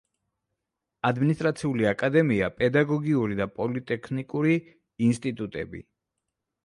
ადმინისტრაციული აკადემია, პედაგოგიური და პოლიტექნიკური ინსტიტუტები.